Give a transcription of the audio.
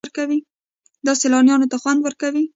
دا سیلانیانو ته خوند ورکوي.